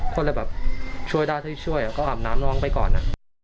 เพราะเลยแบบช่วยด้าที่ช่วยก็อาบน้ำน้องไปก่อน